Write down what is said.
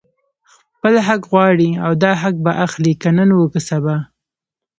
خپل حق غواړي او دا حق به اخلي، که نن وو که سبا